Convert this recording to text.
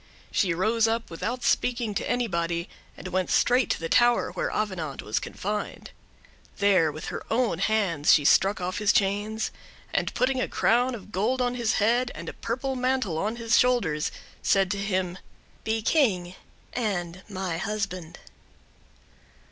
She rose up, without speaking to anybody, and went straight to the tower where Avenant was confined. There, with her own hands, she struck off his chains, and putting a crown of gold on his head, and a purple mantle on his shoulders, said to him, "Be King—and my husband.